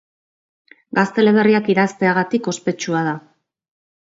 Gazte eleberriak idazteagatik ospetsua da.